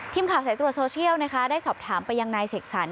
ทีมข่าวสายตรวจโซเชียลนะคะได้สอบถามไปยังนายเสกสรร